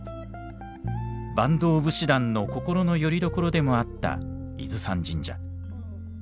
坂東武士団の心のよりどころでもあった伊豆山神社。